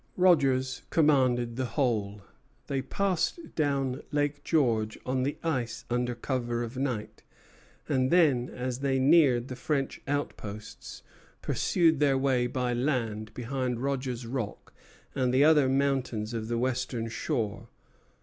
Rogers commanded the whole. They passed down Lake George on the ice under cover of night, and then, as they neared the French outposts, pursued their way by land behind Rogers Rock and the other mountains of the western shore.